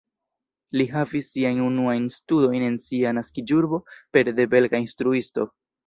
Li havis siajn unuajn studojn en sia naskiĝurbo, pere de belga instruisto.